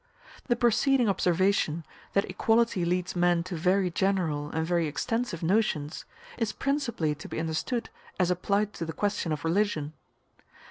The preceding observation, that equality leads men to very general and very extensive notions, is principally to be understood as applied to the question of religion.